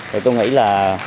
thì tôi nghĩ là